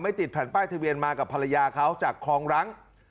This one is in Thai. ติดแผ่นป้ายทะเบียนมากับภรรยาเขาจากคลองรัง